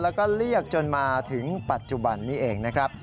แล้วก็เรียกจนมาถึงปัจจุบันนี้เองนะครับ